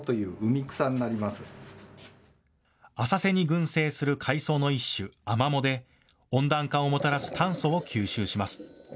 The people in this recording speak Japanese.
浅瀬に群生する海草の一種、アマモで温暖化をもたらす炭素を吸収します。